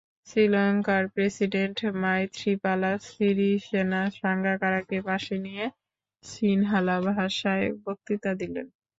শ্রীলঙ্কার প্রেসিডেন্ট মাইথ্রিপালা সিরিসেনা সাঙ্গাকারাকে পাশে নিয়ে সিনহালা ভাষায় বক্তৃতা দিলেন।